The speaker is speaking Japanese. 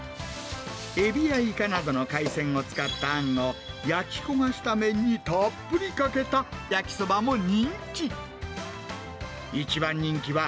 エビやイカなどの海鮮を使ったあんを、焼き焦がした麺にたっぷりかけた焼きそばも人気。